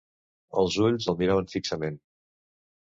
Els ulls el miraven fixament.